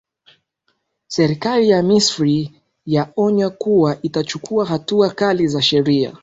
serikali ya misri ya onyakuwa itamchukua hatua kali za sheria